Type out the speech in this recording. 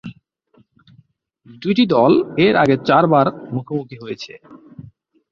দুইটি দল এর আগে চারবার মুখোমুখি হয়েছে।